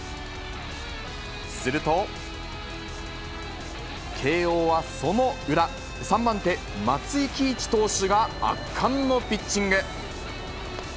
すると、慶応はその裏、３番手、松井喜一投手が圧巻のピッチング。